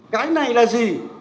cái này là gì